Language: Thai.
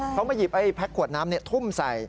เขามาหยิบไอ้แพ็คขวดน้ำทุ่มใส่